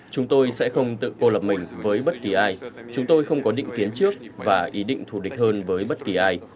chúng tôi sẽ không tự cô lập mình với bất kỳ ai chúng tôi không có định tiến trước và ý định thù địch hơn với bất kỳ ai